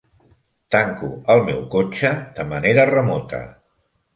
Tanco el meu cotxe de manera remota.